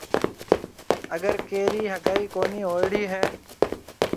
اگر ڪيرِي هگائي ڪونِي هوئيوڙِي هيَ۔